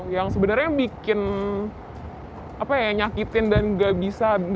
yang sebenarnya bikin apa ya nyakitin dan gak bisa